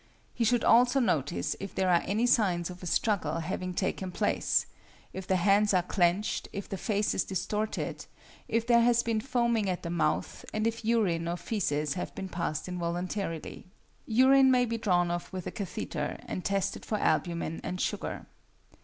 He should also notice if there are any signs of a struggle having taken place, if the hands are clenched, if the face is distorted, if there has been foaming at the mouth, and if urine or fæces have been passed involuntarily. Urine may be drawn off with a catheter and tested for albumin and sugar.